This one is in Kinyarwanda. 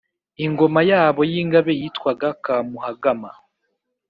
ingoma yabo y'ingabe yitwaga kamuhagama.